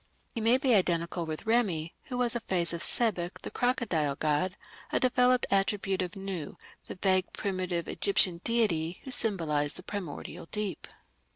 He may be identical with Remi, who was a phase of Sebek, the crocodile god, a developed attribute of Nu, the vague primitive Egyptian deity who symbolized the primordial deep.